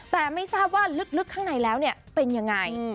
แต่ไม่ทราบว่าลึกข้างในแล้วเป็นยังไง